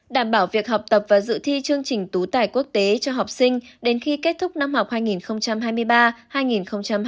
đảm bảo việc học tập và dự thi chương trình tú tài quốc tế cho học sinh đến khi kết thúc năm học hai nghìn hai mươi ba hai nghìn hai mươi bốn